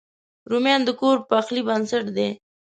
رومیان د کور پخلي بنسټ دی